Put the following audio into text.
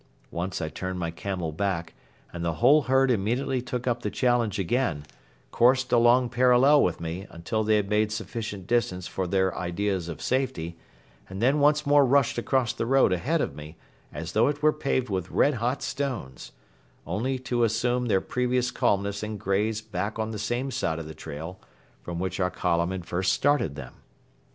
Once I turned my camel back and the whole herd immediately took up the challenge again, coursed along parallel with me until they had made sufficient distance for their ideas of safety and then once more rushed across the road ahead of me as though it were paved with red hot stones, only to assume their previous calmness and graze back on the same side of the trail from which our column had first started them.